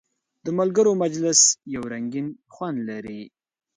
د ملګرو مجلس یو رنګین خوند لري.